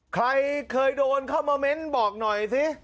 ใครเคยโดนเข้ามาเม้นบอกหน่อยสิ